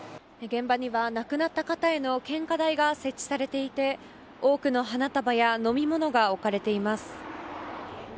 現場には亡くなった方への献花台が設置されていて多くの花束や飲み物が置かれています。